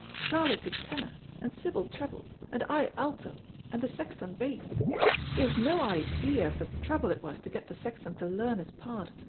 Charlie took tenor, and Sybil treble, and I alto, and the sexton bass. You have no idea of the trouble it was to get the sexton to learn his part.